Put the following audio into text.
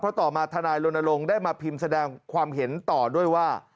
เพราะต่อมาทนายโลนโลงได้มาพิมพ์แสดงความเห็นต่อด้วยว่า